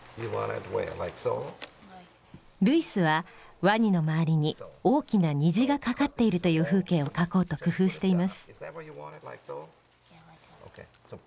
ルイスはワニの周りに大きな虹がかかっているという風景を描こうと工夫しています。